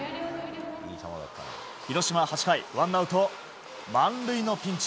広島、８回１アウト満塁のピンチ。